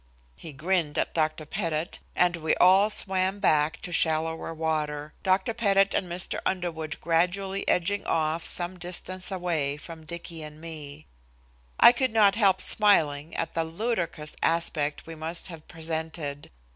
He grinned at Dr. Pettit, and we all swam back to shallower water, Dr. Pettit and Mr. Underwood gradually edging off some distance away from Dicky and me. I could not help smiling at the ludicrous aspect we must have presented.